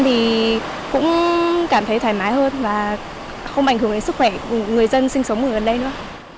thì cũng cảm thấy thoải mái hơn và không ảnh hưởng đến sức khỏe của người dân sinh sống ở gần đây nữa